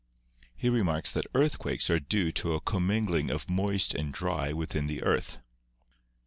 He remarks that earthquakes are due to a com mingling of moist and dry within the earth.